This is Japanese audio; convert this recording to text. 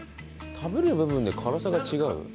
食べる部分で辛さが違う？